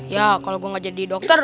ya kalo gua gak jadi dokter